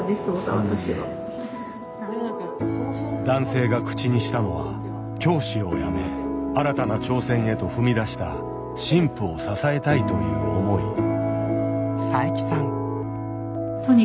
男性が口にしたのは教師を辞め新たな挑戦へと踏み出した新婦を支えたいという思い。